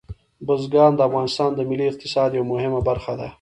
بزګان د افغانستان د ملي اقتصاد یوه مهمه برخه ده.